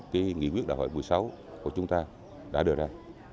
cái nghị quyết đại hội một mươi sáu của chúng ta đã đưa ra